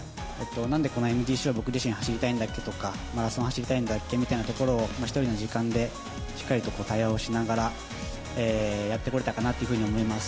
なんでこのＭＧＣ僕自身、走りたいんだっけとか、マラソンを走りたいんだっけみたいなところを、１人の時間でしっかりと対話をしながら、やってこれたかなというふうに思います。